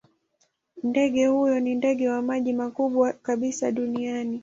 Ndege huyo ni ndege wa maji mkubwa kabisa duniani.